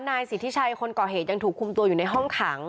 นายสิทธิชัยคนก่อเหตุยังถูกคุมตัวอยู่ในห้องขัง